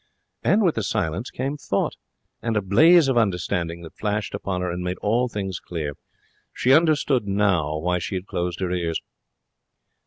And with the silence came thought, and a blaze of understanding that flashed upon her and made all things clear. She understood now why she had closed her ears.